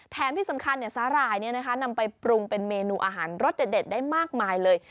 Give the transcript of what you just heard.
แถมที่สำคัญสาหร่ายนำไปปรุงเป็นเมนูอาหารรสเด็ดได้มากมายเลย